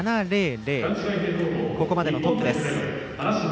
ここまでのトップです。